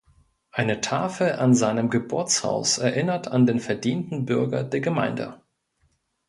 Eine Tafel an seinem Geburtshaus erinnert an den verdienten Bürger der Gemeinde.